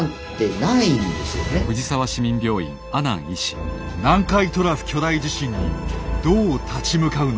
南海トラフ巨大地震にどう立ち向かうのか。